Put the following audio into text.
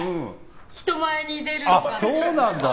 人前に出るのが。